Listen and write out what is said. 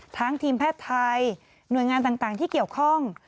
ทีมแพทย์ไทยหน่วยงานต่างที่เกี่ยวข้อง